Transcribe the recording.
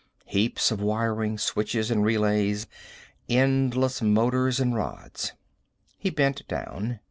Heaps of wiring, switches and relays. Endless motors and rods. He bent down.